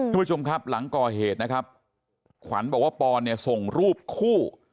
คุณผู้ชมครับหลังก่อเหตุนะครับขวัญบอกว่าปอนเนี่ยส่งรูปคู่